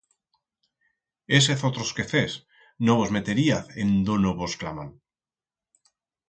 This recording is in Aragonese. Hésez otros quefers, no vos meteríaz en do no vos claman.